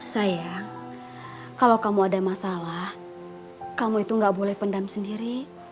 saya kalau kamu ada masalah kamu itu gak boleh pendam sendiri